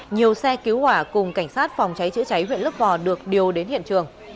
nhiều xe cứu hỏa cùng cảnh sát phòng cháy chữa cháy huyện lấp vò được điều đến hiện trường